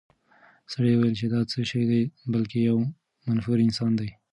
سړي وویل چې دا څه شی نه دی، بلکې یو منفور انسان دی.